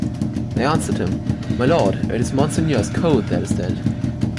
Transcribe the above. They answered him: "My lord, it is monseigneur's coat that is dead.